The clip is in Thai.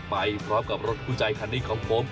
ไปพร้อมกับรถคู่ใจคันนี้ของผม